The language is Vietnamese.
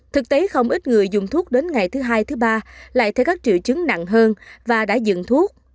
thực tế không ít người dùng thuốc đến ngày thứ hai thứ ba lại thấy các triệu chứng nặng hơn và đã dựng thuốc